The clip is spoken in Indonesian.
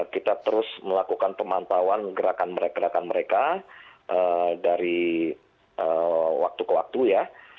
kita terus melakukan pemantauan gerakan mereka gerakan mereka dari waktu ke waktu ya